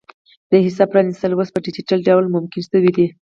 د حساب پرانیستل اوس په ډیجیټل ډول ممکن شوي دي.